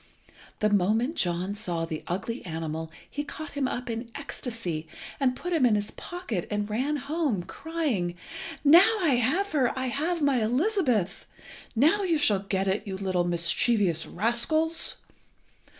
The moment John saw the ugly animal he caught him up in ecstasy, and put him in his pocket and ran home, crying "Now I have her! I have my Elizabeth! Now you shall get it, you little mischievous rascals!"